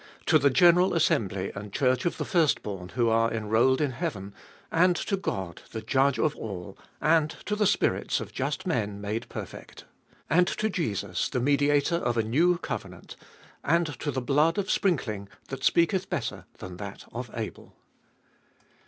To the general assemby and church of the firstborn who are enrolled in heaven, and to God the Judge of all, and to the spirits of just men made perfect, 24. And to Jesus the Mediator of a new covenant, and to the blood of sprinkling that speaketh better than that of Abel.